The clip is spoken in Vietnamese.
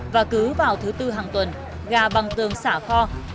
và cứ vào thứ tư hàng tuần gà bằng tường xả kho